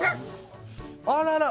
あらら！